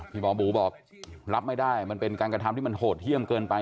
หมอหมูบอกรับไม่ได้มันเป็นการกระทำที่มันโหดเยี่ยมเกินไป